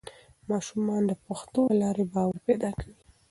ماشومان د پوښتنو له لارې باور پیدا کوي